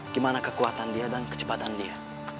gimana kekuatan dia dan kecepatan dia